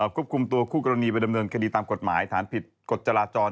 ควบคุมตัวคู่กรณีไปดำเนินคดีตามกฎหมายฐานผิดกฎจราจร